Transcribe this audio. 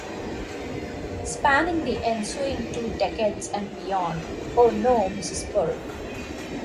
Spanning the ensuing two decades and beyond, Oh no, Mrs. Burke!